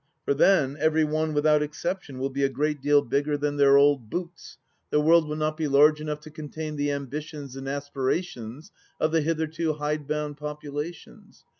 For then every one without exception will be a great deal bigger THE LAST DITCH 801 than their old boots, the world will not be large enough to contain the ambitions and aspirations of the hitherto hide bound populations.